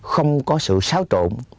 không có sự xáo trộn